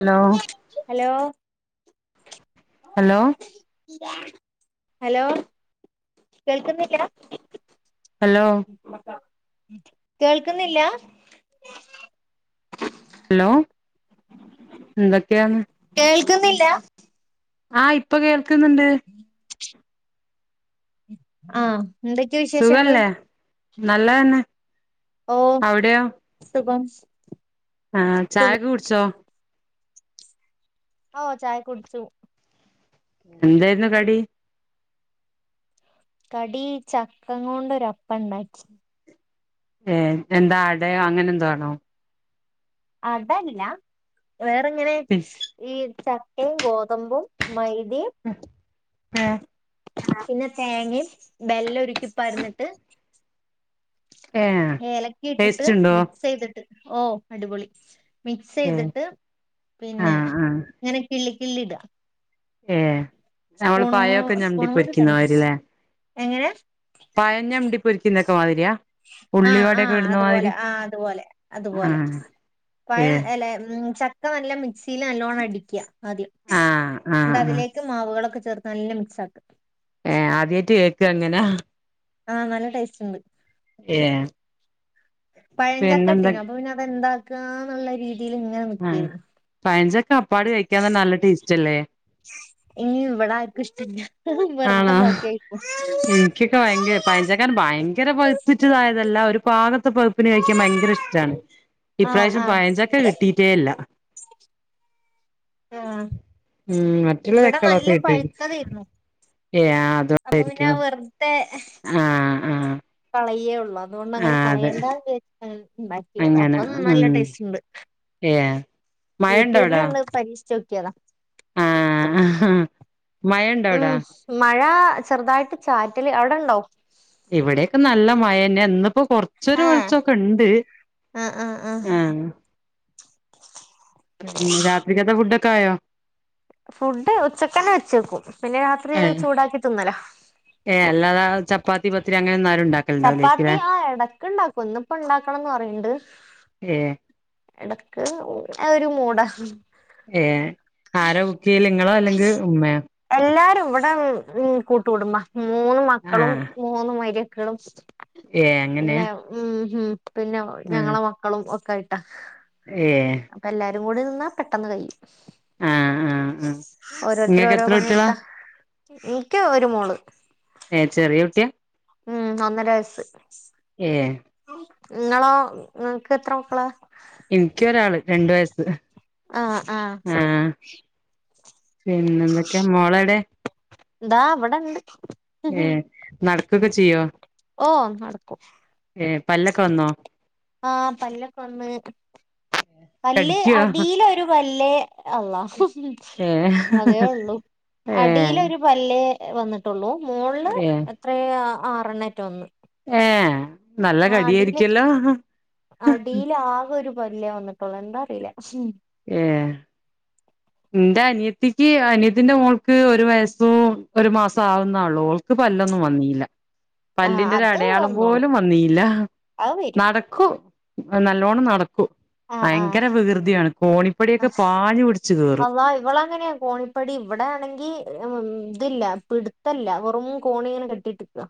Hello hello hello hello കേൾക്കുന്നില്ല hello കേൾക്കുന്നില്ല hello എന്തൊക്കെയാണ് കേൾക്ക്ന്നില്ലാ. ആഹ് ഇപ്പ കേൾക്ക് ന്ന്ണ്ട്. ആഹ് എന്തൊക്കെയാ വിശേഷങ്ങള് സുഖല്ലെ. നല്ലേന്നെ. ഓ അവ് ടെയൊ? സുഖം. ആഹ് സുഖം ചായൊക്കെ കുട്ച്ചൊ? ഓഹ് ചായ കുട്ച്ചു. എന്തേര്ന്നു കടി? കടി ചക്കങ്ങൊണ്ടെര് അപ്പം ണ്ടാക്കി. ഏഹ്. എന്താ അടയൊ അങ്ങനെന്തൊ ആണൊ? അടല്ല. വേറെങ്ങനെ ഈ ച ക്കയും, ഗോതമ്പും, മൈദിം ഉം. ഏഹ് ആഹ്. പിന്നെ തേങ്ങയും, ബെല്ലൊരുക്കി പാര്ന്നിട്ട് ഏ ഏലക്കീ ഇട്ട്ട്ട്, ടേസ്റ്റ് ഉണ്ടോ മി ക്‌സെയ്ത്ട്ട്. ഓഹ് അടിപൊളി ഏ മിക്സെയ്ത്ട്ട് ആ പിന്നെ ആ ങ്ങനെ കിള്ളി, കിള്ളിടാ. ഏഹ്. നവള് പഴൊക്കെ ഞൗണ്ടി പൊരിക്ക്ന്നാരിലെ. ഏഹ് പഴം ഞൗണ്ടി പൊരിക്കുന്നൊക്കെ മാതിരിയാ? ആഹ് ഉള്ളിവടയൊക്കെ ആഹ് ഇടുന്ന മാതിരി അത്പോലെ. ആഹ് അത്പോലെ, ആ അത്പോലെ. ഏ പഴം അല്ല ഉം ചക്ക നല്ലം മിക്സീല് നല്ലോണ്ണം അടിക്ക്യാ ആദ്യം. ആ ആ ണ്ട ആ അതിലേ - - ക്ക് മാവ്കളൊക്കെ ചേർത്ത് നല്ല മിക്സാക്ക. ഏഹ് ആദ്യായിട്ട് കേക്കാ അങ്ങനാ? ആഹ് നല്ല ടേസ്റ്റ്ണ്ട്. ഏഹ് പഴഞ്ചക്ക കിട്ടീനു അപ്പൊ പിന്നെ അതെന്താക്കാ ന്ന്ള്ള രീതിയില് മൂ ഏഹ്. പയഞ്ചക്ക അപ്പാട് കഴിക്കാൻ തന്നെ നല്ല ടേസ്റ്റല്ലേ? ഏയ് വെടാര്ക്കും ഇഷ്ടല്ല്യാ. [unintelligible] വെർതെ വാക്കിയായിക്കും. ക്കി ഒക്കെ ഭയങ്കരം പയഞ്ചക്കാർഞ്ഞ ഭയങ്കര പഴ്ത്ത്ട്ട് തായതല്ല. ഒരു പാകൊത്ത പഴ്പ്പിന് കഴിക്കാം ഭയങ്കര ഇഷ്ടാണ്. ആഹ് ഇപ്രാവശ്യം ആഹ് പഴഞ്ചക്ക കിട്ടിട്ടേല്ല. ആഹ് ഉം മറ്റുള്ള ചക്കളൊക്കെ കിട്ടീക്ക് ത്ത തേര്ന്നൊ ഏഹ് ആഹ് അപ്പൊ പിന്നെ വെർതെ ആഹ് ആഹ് കളയെ ഒള്ളു. അതുകൊണ്ട് അങ്ങനെ ആഹ് അതെ കളയേണ്ട വിചാരി ണ്ടാ ള്ളതാ. അപ്പം നല്ല ടേസ്റ്റ്ണ്ട്. ഏഹ് യൂട്യൂബിലണ്ട് പരീക്ഷിച്ചോക്കിയതാ. ആഹ്. മഴ ണ്ടൊ അവ്ടാ? ഉം മഴ ചെറ്തായിട്ട് ചാറ്റല്. അവ്ടണ്ടോ? ഇവിടെയൊക്കെ നല്ല മഴെന്നെ എന്നു പ്പൊ കൊർച്ചൊരു ആഹ് വെൾച്ചൊക്കെണ്ട്. ആഹ് ആഹ് ആഹ് ഏഹ് [inaudible] [unintelligible] രാത്രിക്കത്തെ ഫുഡൊക്കായൊ? ഫുഡ് ഉച്ചക്കനെ വെച്ചേക്കും പിന്നെ രാത്രി ചൂടാക്കിതിന്നലാ ഏഹ് അല്ലാതാ ചപ്പാത്തി പത്തിരി അങ്ങനെന്നാരും ഉണ്ടാക് ചപ്പാത്തി ആ എടക്കിണ്ടാക്കും ഇന്നിപ്പ ഇണ്ടാക്കണന്ന് പറയണ്ട്. ഏഹ് എടക്ക് ഒരു മൂടാ ഏഹ് ആരാ കുക്ക്ചെയ്യല് ഇങ്ങളോ അല്ലെങ്കിൽ ഉമ്മയോ? എല്ലാരും ഇവിടെ ഉം ഉം കൂട്ടുകുടുമ്പാ മൂന്ന് മക്കളും മൂന്ന് മര്ക്കളും ഏഹ് അങ്ങനെ ഉം ഹ് പിന്നെ ഞങ്ങളെ മക്കളും ഒക്കായിട്ടാ. ഏഹ് അപ്പൊ എല്ലാരും കൂടി നിന്നാ പെട്ടെന്ന് കഴിയും ആഹ് ആഹ് ആഹ് ഓരോരുത്തര ഇങ്ങക്ക് ഓരോ എത്ര കുട്ടികളാ പണിയെടുത്താ ഇനിക് ഒരു മോള്. ഏഹ് ചെറിയുട്ടിയ ഉം ഒന്നര വയസ്സ് ഏഹ് ഇങ്ങളോ ഇങ്ങക്ക് എത്ര മക്കളാ എനിക്കൊരാള് രണ്ട് വയസ് ആഹ് ആഹ് പിന്നെന്തൊക്കെയ മോള് എവിടെ ദാ ഇവിടൊണ്ട് ഏഹ് നടക്കുവൊക്കെ ചെയ്യുവോ ഓഹ് നടക്കും പല്ലൊക്കെ വന്നോ ആഹ് പല്ലൊക്കെ വന്ന് പല്ല് കടിക്കുവോ അടിയില് ഒരു പല്ലേ അള്ളാ ഏ അതേ ഉള്ളു ഏ അടിയിലൊരു പല്ലേ വന്നിട്ടുള്ളൂ മോളില് ഏ എത്രയാ ആറെണ്ണവൊ മറ്റോ വന്ന് ഏഹ് നല്ല ആഹ് കടിയായിരിക്കൂല്ലോ പാവം ഒരു വല്യ വന്നിട്ടുള്ളൂ എന്താ അറിയില്ല ഏഹ് എന്റെ അനിയത്തിക്ക് അനിയത്തിന്റെ മോൾക്ക് ഒരു വയസ്സും ഒരു മാസവും ആവുന്നേയുള്ളു ഓക്ക് പല്ലൊന്നും വന്നില്ല ആഹ് പല്ലിന്റെ ഒരു അത് അടയാളം വന്നോളും പോലും വന്നില്ല അത് വരും നട ക്കും നല്ലോണം നടക്കും ആഹ് ആഹ് ഭയങ്കര വികൃതിയാണ് കോണിപ്പടിയൊക്കെ പാഞ്ഞ് പിടി അള്ളാ ഇവളങ്ങനെയാ കോണി പ്പടി ഇവിടെ ആണെങ്കി ഇതില്ല പിടുത്തവില്ല വെറും കോണി ഇങ്ങനെ കെട്ടി ഇട്ടേക്കുവാ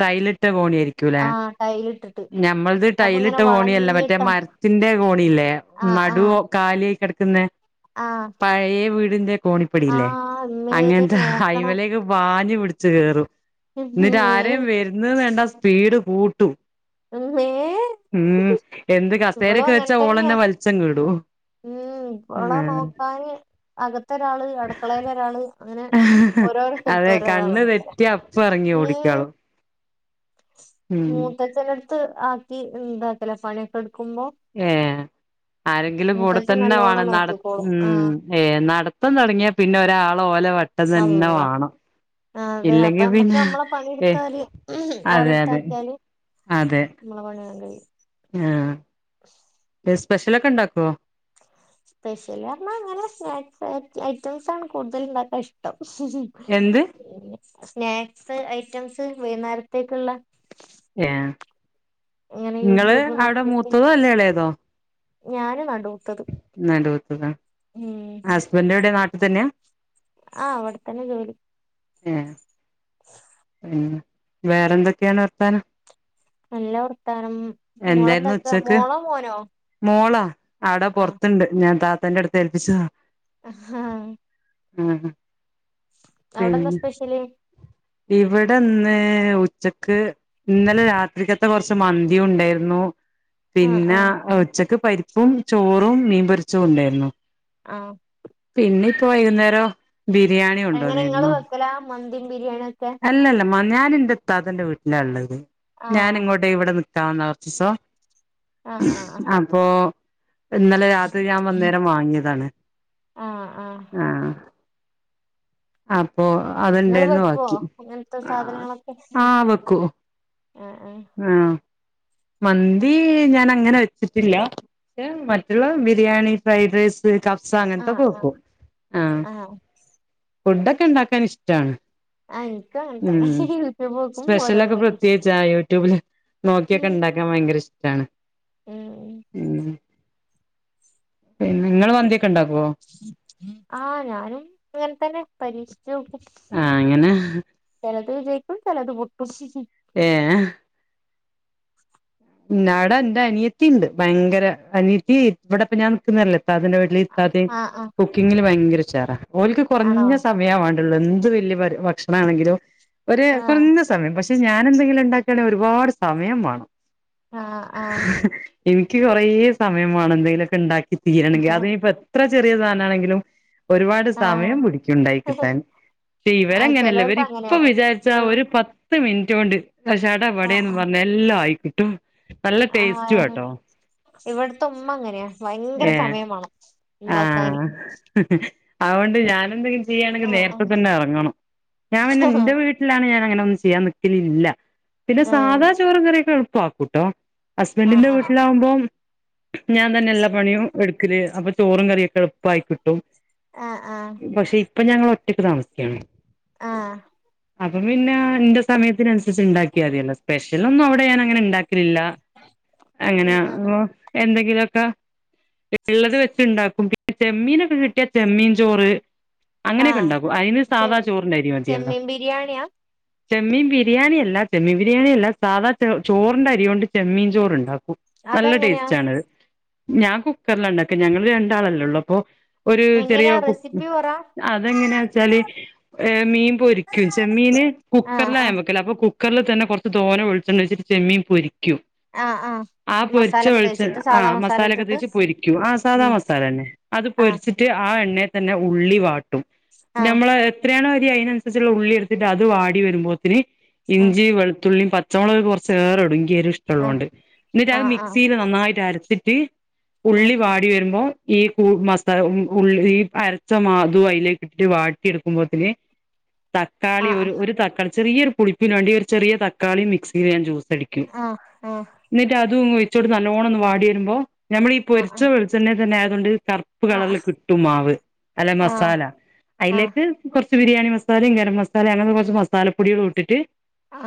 ടൈലിട്ട കോണി ആയിരിക്കൂല്ലെ ആഹ് ടൈലിട്ടിട്ട് ഞമ്മളത് അപ്പൊ ഇങ്ങനെ ടൈയിലിട്ട കോണിയല്ല മറ്റേ വളഞ്ഞിട്ടാ മരത്തിന്റെ കോണിയില്ലേ ആഹ് ആഹ് നടുവ് കാലിയായി കെടക്കുന്നെ ആഹ് പഴയ വീടിന്റെ കോണി പ്പടിയില്ലേ ആഹ് ഇമ്മേ അങ്ങനെത്തെ നോക്കണം അയിമേലൊക്കെ പാഞ്ഞ് പിടിച്ച് കേറും [unintelligible] വര്ന്നത് കണ്ട സ്പീഡ് കൂട്ടും അമ്മേ ഉം എന്ത് കസേരക്കെ വെച്ചാ തന്നെയാ ഓളന്നെ വലിച്ചങ്ങ് ഇടൂ ഉം ഓളെ നോക്കാന് അകത്തൊരാള് അടുക്കളയിലൊരാള് അങ്ങനെ ഓരോരോ സ്ഥലത്ത് അതെ ഓരോരാള് കണ്ണ് നിക്കലാ തെറ്റിയ അപ്പ എറങ്ങി ഓടിക്കാളും ഉം മൂത്തച്ചനടുത്ത് ആക്കി എന്താക്കല പണിയെക്ക എട്ക്കുമ്പോ ഏഹ് ആരെങ്കിലും കൂട തന്നെ വേണം നല്ലോണം നടത് നോക്കിക്കോളും ആഹ് ഉം ഏഹ് നടത്തം തൊടങ്ങിയാ പിന്ന ഒരാള് ഓല വെട്ടം തന്ന വാണം ആതെ അപ്പ ഇല്ലെങ്കി നമ്മക്ക് പിന്നെ നമ്മള ഏഹ് പണിയെടുത്താല് അതെ അതെ ഓരട്ത്താക്കിയാല് നമ്മള പണി വേഗം കഴിയും ഞാഹ് സ്പെഷ്യലെക്ക എണ്ടാക്കുവോ സ്പെഷ്യല് പറഞ്ഞ അങ്ങനെ സ്നാക്ക്സ് ഐ ഐറ്റംസാണ് കൂട്തലിണ്ടാക്കാൻ ഇഷ്ടം എന്ത് സ്നാക്സ് ഐറ്റംസ് വൈന്നേരത്തേ‌ക്കിള്ള ഏഹ് ഇങ്ങനെ നിങ്ങള് യൂട്യൂബ് അവട നോക്കിട്ട് മൂത്തതോ അല്ല എളേതോ ഞാന് നടൂത്തത് നടൂത്തതാ ഉം ഹസ്ബന്റെവ്ടെ നാട്ടി തന്നെയാ ആഹ് അവടത്തന്നെ ജോലി ഏഹ് ഉം വേറെന്തക്കെയാണ് വർത്താനം നല്ല വർത്താനം എന്തായിരുന്നു മോളെന്താക്ക ഉച്ചക്ക് മോളോ മോനോ മോളാ അവട ആ പൊറത്തെണ്ട് ഞാൻ താത്തന്റട്ത്ത് ഏൽപ്പിച്ചതാ അഹാ ആഹ് അവടെന്താ സ്പെഷ്യല് ഇവടെന്ന് ഉച്ചക്ക് ഇന്നല രാത്രിക്കത്ത കൊറച്ച് മന്തി ഉണ്ടാര്ന്നു ആ പിന്ന ആ ഉച്ചക്ക് പരിപ്പും ചോറും മീൻപൊരിച്ചതും ഉണ്ടാര്ന്നു ആഹ് പിന്നിപ്പോ വൈക്ന്നേരം ബിരിയാണി കൊണ്ടോന്നിര്ന്നു മന്തീം ബിരിയാണി അല്ലല്ല മ ഞാനന്റ ഇത്താത്തന്റ വീട്ടിലാ ഇള്ളത് ആ ഞാന് ഇങ്ങോട്ടെ ഇവട നി ക്കാൻ വന്ന കൊറച്ചോസം ആഹ് ആഹ് അപ്പോ ഇന്നല രാത്രി ഞാം വന്നേരം വാങ്ങിയതാണ് ആഹ് ആഹ് ആഹ് അപ്പൊ അതെണ്ടേര്ന്നു ബാ ഹൊ അങ്ങൻത്ത സാധനങ്ങളൊക്കെ വെക്കൂ അഹ് അഹ് ആഹ് മന്തി ഞാനങ്ങനെ വെച്ച്‌ട്ടില്ല പക്ഷെ മറ്റുള്ള ബിരിയാണി ഫ്രൈഡ് റൈസ് കബ്സ ആഹ് അങ്ങനത്തൊക്ക ആഹ് ആഹ് വെക്കും ആഹ് ഫുഡ്ഡക്ക ഇണ്ടാക്കാനിഷ്ടാണ് ആഹ് എനിക്കും അങ്ങനെ ഉം തന്നെ യൂട്യൂബ് നോക്കും ഓരോന്ന് സ്പെഷ്യലെക്ക പരീക്ഷിക്കും പ്രത്യേകിച്ചാ യൂട്യൂബില് ക്കിയെക്ക ഇണ്ടാക്കാൻ ഭയങ്കര ഇഷ്ടാണ് ഉം ഉം പിൻ നിങ്ങള് മന്തിയക്ക ഇണ്ടാക്കുവോ ആഹ് ഞാനും ഇങ്ങനതന്നെ പരീക്ഷിച്ച്‌ നോക്കും ആഹ് അങ്ങനെ ചെലത് ജയ്ക്കും ചെലത് പൊട്ടും ഏഹ് പിന്നവട എന്റ അനിയത്തിണ്ട് ഭയങ്കര അനിയത്തീ ഇവടപ്പ ഞാൻ നിക്കുന്നല്ലേ ഇത്താതിന്റ വീ ട്ടില് ഇത്താത്തേം ആഹ് ആഹ് കുക്കിങ്ങില് ഭയങ്കര ഉഷാറ ഓൽക്ക് ആണോ കൊറഞ്ഞ സ മയാ വേണ്ടുള്ള എന്ത് വെല്ല്യ പര് ഭക്ഷണാണെങ്കിലും ഒര് ആഹ് കൊറഞ്ഞ സമയം പഷ് [unintelligible] ഞാനെന്തെങ്കിലും ഉണ്ടാക്കാണെ ഒരുപട് സമയം വേണം ആഹ് എനിയ്ക്ക് കൊറേ സമയം വേണം എന്തേലൊക്കെണ്ടാക്കി തീരണെങ്കി അത് ആഹ് നിയിപ്പ എത്ര ചെറിയ സാനാണെങ്കിലും ഒരുപാട് ആഹ് സമയം പിടിയ്ക്കുണ്ടായികിട്ടാൻ ആഹ് ഇവരങ്ങനെല്ല ഇവര് ചിലവർക്ക് ഇപ്പം അങ്ങനെയാണ് വിചാരിച്ച ഒരു പ ത്ത് മിൻറ്റോണ്ട് ഒക്കെ ഷട പടേന്നും ആഹ് പർഞ്ഞ് എല്ലാം ആയിക്കിട്ടും നല്ല ടേസ്റ്റും ആട്ടോ ഇവട്ത്തെ ഉമ്മ അങ്ങനെയാ ഭയങ്കര ഏഹ് സമയം വേണം ണ്ടാക്കാന് ആഹ് അതുകൊണ്ട് ഞാൻ എന്തെങ്കിലും ചെയ്യാണെങ്കി ആഹ് നേരത്തെ തന്നെ എറങ്ങണം. ഞാൻ പിന്നെ ആഹ് ന്റെ വീ ലാണെങ്കി ഞാനങ്ങനെ ഒന്നും ചെയ്യാൻ നിക്കലില്ല. പിന്നെ ആഹ് സാധാ ചോറും കറിയൊക്കെ എളുപ്പാക്കൂട്ടോ ആഹ് ഹസ്ബൻഡിന്റെ ആഹ് വീട്ടിലാവുമ്പോം ഞാൻ തന്നെ എല്ലാ പണിയും എടു ക്കല് അപ്പൊ ചോറും കറിയൊക്കെ എളുപ്പായി കിട്ടും ആഹ്, ആഹ് പക്ഷെ ഇപ്പൊ ഞങ്ങളൊറ്റയ്ക്ക് താമസിയ്ക്കാണ് ആഹ് അപ്പം പിന്നെ ന്റെ സമയത്തിനനുസരിച്ച് ണ്ടാക്കിയാതിയല്ലൊ സ്പെഷ്യലൊന്നും അവിടെ ഞാൻ അങ്ങനെണ്ടാ [unintelligible] രില്ല അങ്ങനെ ആഹ് ഉം എന്തെങ്കിലു ഒക്കെ ഇള്ളത് വെച്ച്ണ്ടാക്കും പിന്നെ ചെമ്മീനൊക്കെ കിട്ട്യാ ചെമ്മീൻ ചോറ് ആഹ് അങ്ങനെയൊക്കെണ്ടാക്കും അയിന് ചെ സാധാ ചോറിന്റെ അരി മതിയല്ലോ ചെമ്മീൻ ബിരിയാണിയാ ചെമ്മീൻ ബിരിയാണി അല്ല ചെമ്മീൻ ബിരിയാണി അല്ല സാധാ ചൊ ചോറിന്റെ അരി കൊണ്ട് ചെമ്മീൻ ചോറ് ഉണ്ടാക്കും. നല്ല അതെങ്ങനെയാ ടേസ്റ്റാണത്. ഞാൻ കുക്കറിലാണ്ടാക്ക ഞങ്ങള് രണ്ടാളല്ലേ ഉള്ളൂ അപ്പൊ ഒരു ചെറിയ എങ്ങനെയാ കു റെസിപ്പി പറ അതെങ്ങനെയാ വെച്ചാല് മീൻ പൊരിയ്ക്കും ചെമ്മീന് ആഹ് കുക്കർലാ ഞാൻ ആഹ് വെക്കല് അപ്പൊ കു ക്കർല് തന്നെ കൊർച്ച് തോനെ വെൾച്ചെണ്ണ ഒഴിച്ചിട്ട് ചെമ്മീൻ പൊരിക്കും ആഹ് ആഹ് ആ പൊരിച്ച മസാലൊക്കെ വെൾച്ചെ തേച്ചിട്ട് സാധാ ആഹ് മസാല മസാലയൊക്കെ ഇട്ടിട്ട് തേച്ച് പൊരിയ്ക്കും ആഹ് സാധാ ഉം മസാലന്നെ അത് ആഹ് പൊരിച്ചി ട്ട്യ ആ എണ്ണയെ തന്നെ ഉള്ളി വാട്ടും ആഹ് നമ്മള എ ത്രയാണോ അരി അയ്നനുസരിച്ചുള്ള ഉള്ളി എടുത്തിട്ട് അത് വാടി വരുമ്പോത്തിന് ഇഞ്ചി വെളുത്തുള്ളിയും പ ച്ചമുളക കൊർച്ചേറെടും ൻക്കി ആഹ് എരുഷ്ടള്ളോണ്ട്. ന്നിട്ടത് ആഹ് ആഹ് മിക്സിയിൽ നന്നായിട്ട് അരച്ചിട്ട് ഉള്ളി ആഹ് വാടിവെരു മ്മോ ഈ പൂ മാസ്തഹ് ഉം ഉള്ള് രീ അരച്ച മാധൂ അയ്ലേക്ക്ട്ടിട്ട് വാട്ടിടുക്കുമ്പോത്തിന് തക്കാളി ആഹ് ഒരു ഒരു തക്കാളി ചെറിയൊരു പുളിപ്പിന് വേണ്ടി ഒരു ചെറിയ തക്കാളി മിക്സിയില് ഞാൻ ജ്യൂസ് അടി ആഹ്, ആഹ് ന്നിട്ടതും ഒഴിച്ചൊട് നല്ലോണൊന്ന് വാട്യരുമ്പോ ഞമ്മൾ ഈ പൊര്ച്ച വെളിച്ചെണ്ണെ തന്നെ ആയതോണ്ട് കർപ്പ് ആഹ് ആഹ് ആഹ് കളർല് കിട്ടും മാവ് അല്ല ആഹ് ആഹ് മസാല അയ്ലേക്ക് കൊർച്ച് ബിരിയാണി മസാലയും ഗരം മസാല അങ്ങനെ കൊർച്ച് മസാലപ്പൊടികളൂട്ടിട്ട്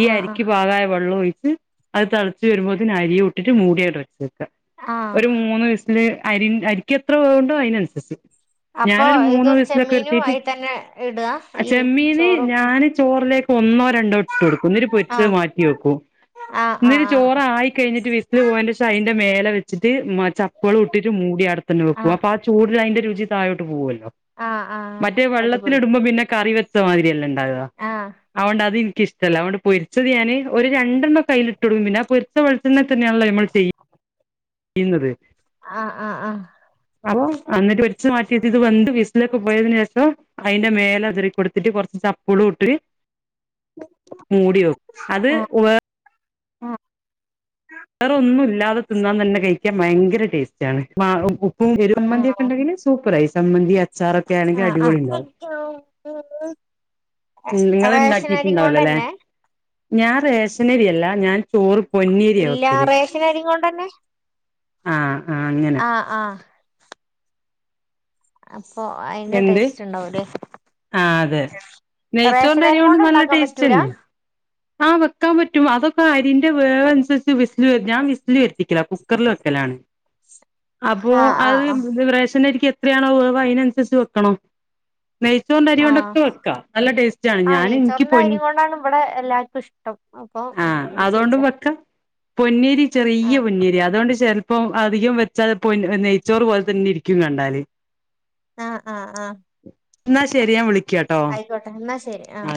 ഈ ആഹ് ആഹ് ആഹ് അരിയ്ക്ക് പാകായ വെള്ളു ഒഴി [unintelligible] അത് തെളച്ച് വെരുമ്പോത്തിന് അരിയു ട്ടിട്ട് മൂടിയാട്ട് വെച്ചേക്ക. ആഹ് ഒരു മൂന്ന് വിസ് ല് അരിൻ അരിക്ക് എത്ര വേവ്ണ്ടോ അയ്നൻസരിച്ച് അപ്പൊ ഞാനൊരു മൂന്ന് ഇതും ചെമ്മീനും വിസ്‌ലൊക്കെട്ത്തീട്ട് അയി തന്നെ ഇടുക അഹ് ഈ ചെമ്മീന് ചോറും ഞാന് ചോർലേക്ക് ഒന്നോ രണ്ടോ ഇട്ട് കൊടുക്കും ന്നട്ട് പൊരിച്ചത് ആഹ് മാറ്റി വെക്കും. ആഹ് ഇന്നിനി ചോറ ആഹ് ആയി കഴിഞ്ഞിട്ട് വിസ്ല് ആഹ് പോയേൻ്റെ ശേഷം അയ്ൻ്റെ മേലെ വെ ച്ചിട്ട് മാ ചപ്പളൂട്ടിട്ട് മൂടി ആടതന്നെ വെക്കും ആഹ് അപ്പ ആ ചൂടിലയ്ന്റെ രുചി തായോട്ട് പോവൊല്ലോ ആഹ് ആഹ് മറ്റേ അടിപൊളി വെള്ളത്തിലിടുമ്പോം പിന്നെ കറി വെച്ച മാതിരിയല്ലെണ്ടാവാ ആഹ്. അവോണ്ട് അത് ൻക്കിഷ്ടല്ല അവോണ്ട് പൊരിച്ചത് ഞാന് ഒരു രണ്ടെണ്ണം കയ്യിലിട്ടൊടുക്കും പിന്നെ ആ പൊരുച്ച വെച്ചണ്ണെ തന്നെയണല്ലോ നമ്മൾ ചെയ്യുന്നത് ആഹ് ആഹ് ആഹ് അഓ എന്നിട്ട് വലിച്ചു മാറ്റിട്ട ഇത് വന്ത് വിസിലൊക്കെ പോയതിനേഷം അയ്ന്റെ മേല അതിറിക്കൊടുത്തിട്ട് കൊറച്ച് ചപ്പളു ഇട്ട് മൂടി വെക്കും അത് വേ ആഹ് വേറൊന്നും ഇല്ലാതെ തിന്നാൻ തന്നെ കഴിക്കാൻ ഭയങ്കര ടേസ്റ്റാണ് മാ ഉപ്പും ആഹ് എരുവമ്മന്തിക്കെണ്ടെങ്കില് സൂപ്പറായി സംമ്മന്തി അച്ചാറൊക്കെ ആണെങ്കി ആഹ് അടിപൊളിണ്ടാവും [unintelligible] ഉം നിങ്ങള് റേഷനരി ഇണ്ടാക്കിട്ടുണ്ടാവിലാലെ കൊണ്ടന്നെ ഞാൻ റേഷനരിയല്ല ഞാൻ ചോറ് പൊന്നിരിയാ വെക്കല് ഷനരി കൊണ്ടന്നെ ആഹ് ആഹ് അങ്ങനെ ആഹ് ആഹ് അപ്പൊ അയ്ന്റെ എന്ത് ടേസ്റ്റ് ഉണ്ടാവലേ ആഹ് അതെ നെയ്ച്ചോറിന്റെ അരി റേഷനരി കൊണ്ട് നല്ല ഉണ്ടാക്കാൻ ടേസ്റ്റ് പറ്റൂല തന്നെയാ ആഹ് വെക്കൻ പറ്റും അതൊക്കെ അരിന്റെ വേവനുസരിച്ച് വിസ്ല് ഞാൻ വിസ്ല വരുത്തിക്കല കുക്കറിൽ വെക്കലാണ് അപ്പൊ ആഹ് ആഹ് ആഹ് അത് റേഷനരിക്ക് എത്രയാണോ വേവ് അയ്നനുസരിച്ച് വെക്കണോ നെയ്ച്ചോറിന്റെ അരി ആഹ് കൊണ്ടൊക്കെ വെക്കാം നല്ല ടേസ്റ്റ് ആണ് ആഹ് ഞാൻ ഇൻക്ക് നെയ്ച്ചോറിന്റെ പൊൻ അരി കൊണ്ടാണ് ഇവിടെ എല്ലാർക്ക് ഷ് ആഹ് അതൊണ്ടും വെക്ക പൊന്നി അരി ചെറിയ ആഹ് പൊന്നേരി അതോണ്ട് ചെലപ്പോം അധികം വെച്ചാത് പൊ നെയ്ച്ചോറ് പോലെ തന്നെ ഇരിക്കും ക്കും കണ്ടാല് ആഹ് ആഹ് ആഹ് എന്നാ ശരി ഞാൻ വിളിക്ക ആയിക്കോട്ടെ എന്നാ ശരി ആഹ്